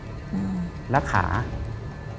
ทำไมหัวนอนเขาหันมาทางตู้เหล็ก